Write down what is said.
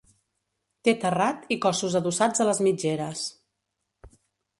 Té terrat i cossos adossats a les mitgeres.